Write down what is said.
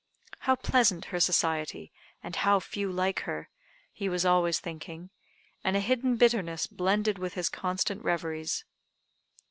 "How pleasant her society, and how few like her!" he was always thinking; and a hidden bitterness blended with his constant reveries.